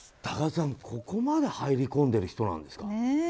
多賀さん、ここまで入り込んでいる人なんですか？